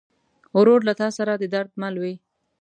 ورور له تا سره د درد مل وي.